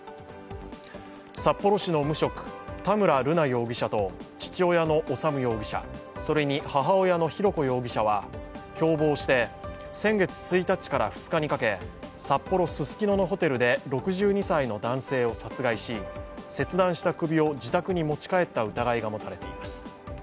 札幌市の無職、田村瑠奈容疑者と父親の修容疑者、それに母親の浩子容疑者は共謀して先月１日から２日にかけ札幌・ススキのホテルで６２歳の男性を殺害し、切断した首を自宅に持ち帰った疑いが持たれています。